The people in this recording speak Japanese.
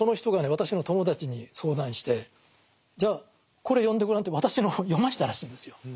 私の友達に相談してじゃあこれ読んでごらんって私の本を読ましたらしいんですよ。